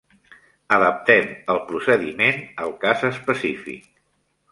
Adaptem el procediment al cas específic.